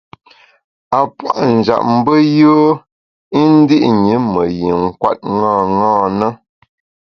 A puâ’ njap mbe yùe i ndi’ ṅi me yin kwet ṅaṅâ na.